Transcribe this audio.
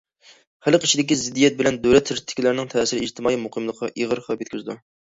خەلق ئىچىدىكى زىددىيەت بىلەن دۆلەت سىرتتىكىلەرنىڭ تەسىرى ئىجتىمائىي مۇقىملىققا ئېغىر خەۋپ يەتكۈزىدۇ.